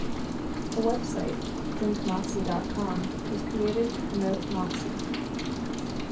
A website, DrinkMoxie dot com, was created to promote Moxie.